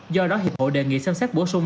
do đó hiệp hội đề nghị xem xét bổ sung